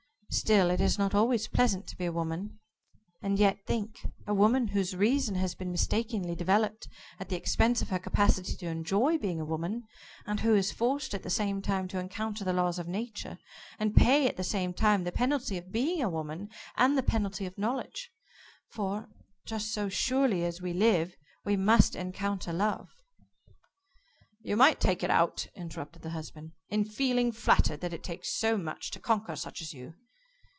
Still, it is not always pleasant to be a woman, and yet think; a woman whose reason has been mistakenly developed at the expense of her capacity to enjoy being a woman, and who is forced at the same time to encounter the laws of Nature, and pay at the same time, the penalty of being a woman, and the penalty of knowledge. For, just so surely as we live, we must encounter love. " "You might take it out," interrupted the husband, "in feeling flattered that it takes so much to conquer such as you."